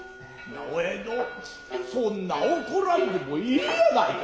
なあ親父どんそんな怒らんでもええやないか。